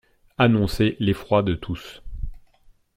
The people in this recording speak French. Annonçait l'effroi de tous.